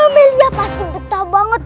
amelia pasti betah banget